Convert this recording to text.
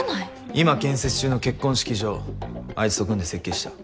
今建設中の結婚式場あいつと組んで設計した。